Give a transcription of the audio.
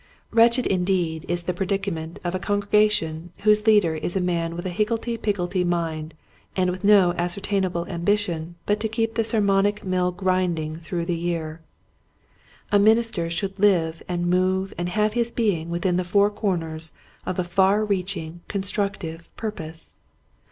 Wretched indeed is the predicament of a congregation whose leader is a man with a higglety pigglety mind and with no ascer tainable ambition but to keep the sermonic mill grinding through the year. A minister should live and move and have his being within the four corners of a far reaching, constructive purpose.